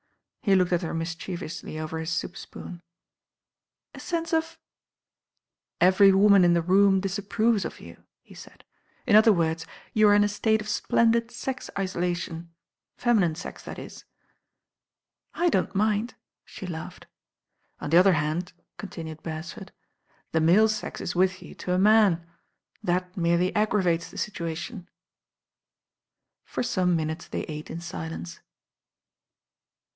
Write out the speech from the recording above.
He looked at her mischievously over his soup spoon. I> THE DANGER LINE to7' "A sense of ?'» "Every woman in the room disapproves of you,"' he said. "In other words, you arc in a state of splendid sex isolation, feminine sex that is." '•I don't mind," she laughed. "On the other hand," continued Beresford, "the male sex is with you to a man. That merely ag gravates the situation." For some liiinutes they ate in silence.